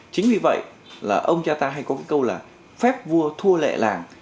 chính vì vậy là ông cha ta hay có cái câu là phép vua thua lệ làng